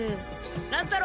乱太郎！